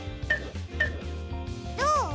どう？